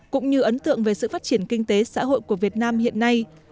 cũng như ấn tượng về sự phát triển kinh tế xã hội của việt nam hiện nay